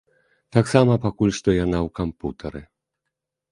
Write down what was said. Таксама пакуль што яна ў кампутары.